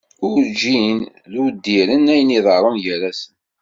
Urǧin d-udiren ayen iḍerrun gar-asen.